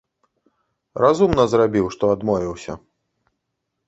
Разумна зрабіў, што адмовіўся.